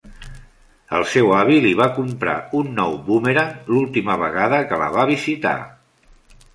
El seu avi li va comprar un nou bumerang l'última vegada que la va visitar.